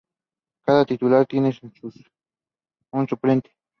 Cada titular tiene un suplente.